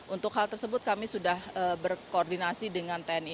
untuk hal tersebut kami sudah berkoordinasi dengan tni